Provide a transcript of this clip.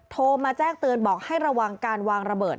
โทรมาแจ้งเตือนบอกให้ระวังการวางระเบิด